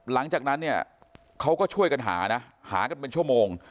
หลังจากนั้นเนี่ยเขาก็ช่วยกันหานะหากันเป็นชั่วโมง